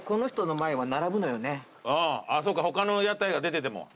そっか他の屋台が出てても。